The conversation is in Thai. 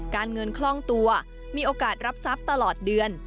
เงินคล่องตัวมีโอกาสรับทรัพย์ตลอดเดือน